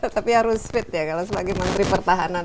tapi harus fit ya kalau sebagai menteri pertahanan